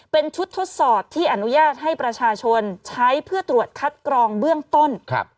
เป็นชุดทดสอบที่อนุญาตให้ประชาชนใช้เพื่อตรวจคัดกรองเบื้องต้น